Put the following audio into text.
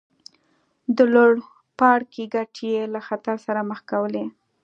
د لوړ پاړکي ګټې یې له خطر سره مخ کولې.